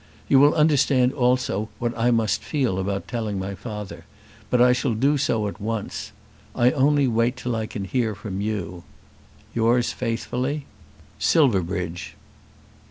You will understand also what I must feel about telling my father, but I shall do so at once. I only wait till I can hear from you. Yours faithfully, SILVERBRIDGE.